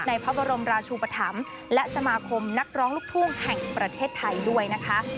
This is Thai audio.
พระบรมราชูปธรรมและสมาคมนักร้องลูกทุ่งแห่งประเทศไทยด้วยนะคะ